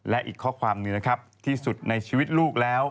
และอีกข้อความหนึ่งนะครับที่สุดในชีวิตลูกแล้ว